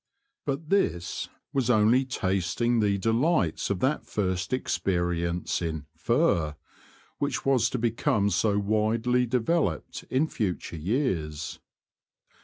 But this was only tasting the delights of that first experience in ^' fur " which was to become so widely de veloped in future years.